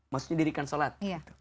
maksudnya dirikan sholat